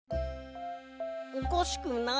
おかしくない？